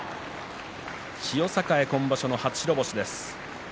千代栄、今場所の初白星です。